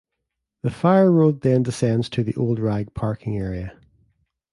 The Fire Road then descends to the Old Rag parking area.